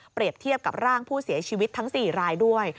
เปรียบเทียบกับร่างผู้เสียชีวิตทั้งสี่รายด้วย